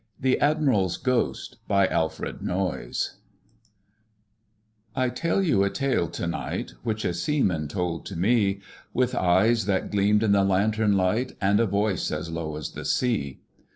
_ THE ADMIRAL'S GHOST I tell you a tale to night Which a seaman told to me, With eyes that gleamed in the lanthorn light And a voice as low as the sea.